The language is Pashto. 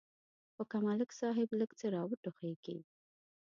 خو که ملک صاحب لږ څه را وټوخېږي.